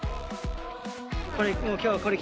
これ、